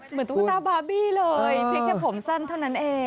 ตุ๊กตาบาร์บี้เลยเพียงแค่ผมสั้นเท่านั้นเอง